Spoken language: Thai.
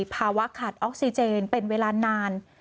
ภาวะขาดออกซิเจนเป็นเวลานาน